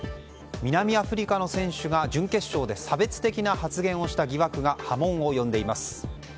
南アフリカの選手が準決勝で差別的な発言をした疑惑が波紋を呼んでいます。